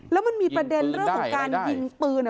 แล้วมันมีประเด็นเรื่องของการยิงปืน